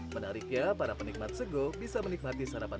menarik ya para penikmat sego bisa menikmati sarapan mereka ini